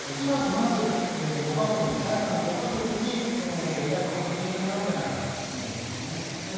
まず、朝芽さんのご家族にご遺体を確認してもらうんじゃないかと思うんですよね。